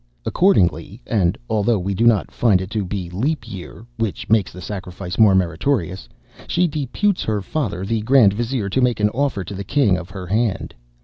Accordingly, and although we do not find it to be leap year (which makes the sacrifice more meritorious), she deputes her father, the grand vizier, to make an offer to the king of her hand.